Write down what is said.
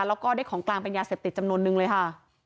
แล้วก็ได้ของกลางเป็นยาเสพติดจำนวนนึงเลยค่ะ